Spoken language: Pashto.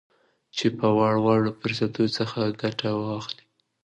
چې چې له وړ وړ فرصتونو څخه ګته واخلي